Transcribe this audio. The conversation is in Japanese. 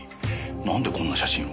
なんでこんな写真を？